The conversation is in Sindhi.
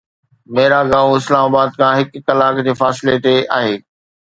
ميراگاون اسلام آباد کان هڪ ڪلاڪ جي فاصلي تي آهي.